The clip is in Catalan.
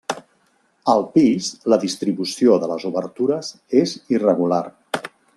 Al pis, la distribució de les obertures és irregular.